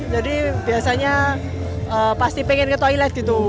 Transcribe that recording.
jadi biasanya pasti pengen ke toilet gitu